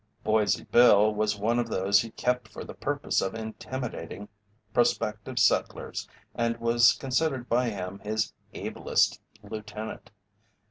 Boise Bill was one of those he kept for the purpose of intimidating prospective settlers and was considered by him his ablest lieutenant.